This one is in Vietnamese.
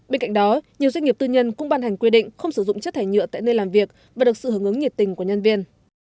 bên cạnh đó nhiều doanh nghiệp tư nhân cũng ban hành quy định không sử dụng chất thải nhựa tại nơi làm việc và được sự hướng ứng nhiệt tình của nhân viên